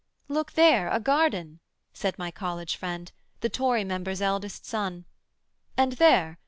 'Look there, a garden!' said my college friend, The Tory member's elder son, 'and there!